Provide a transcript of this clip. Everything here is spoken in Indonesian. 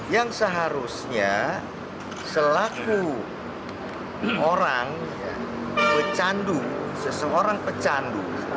yang seharusnya selaku orang pecandu seseorang pecandu